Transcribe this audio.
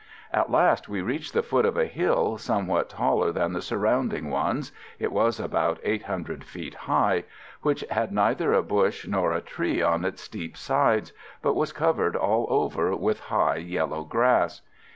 At last we reached the foot of a hill somewhat taller than the surrounding ones it was about 800 feet high which had neither a bush nor a tree on its steep sides, but was covered all over with high, yellow grass.